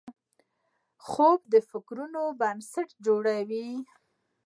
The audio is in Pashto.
خوب د فکرونو بنسټ جوړوي